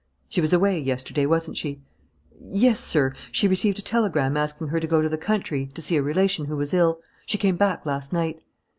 "She was away yesterday, wasn't she?" "Yes, sir, she received a telegram asking her to go to the country to see a relation who was ill. She came back last night."